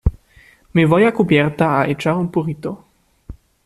me voy a cubierta a echar un purito